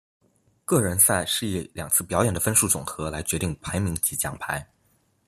个人赛是以两次表演的分数总和来决定排名及奖牌。